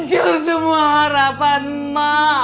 anjur semua harapan mak